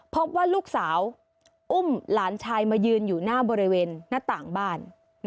พบว่าลูกสาวอุ้มหลานชายมายืนอยู่หน้าบริเวณหน้าต่างบ้าน